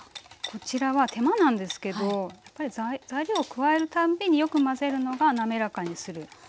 こちらは手間なんですけどやっぱり材料を加える度によく混ぜるのが滑らかにするポイントですね。